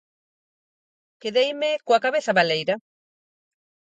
Quedeime... coa cabeza baleira.